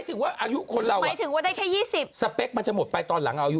อ๋อยังไงน่ารักนะหมายถึงว่าอายุคนเราอะสเปคมันจะหมดไปตอนหลังอายุ๒๕